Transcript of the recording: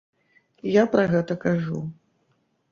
Я пра гэта кажу.